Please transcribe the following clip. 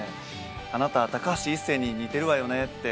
あなたは高橋一生に似てるわよねって。